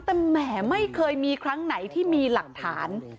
แต่แหมไม่เคยมีครั้งไหนที่มีหลักฐาน